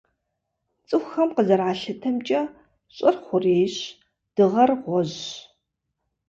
Цӏыхухэм къызэралъытэмкӏэ, Щӏыр - хъурейщ, Дыгъэр - гъуэжьщ.